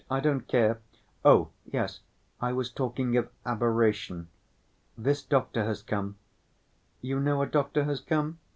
I don't care'... Oh, yes. I was talking of aberration. This doctor has come. You know a doctor has come?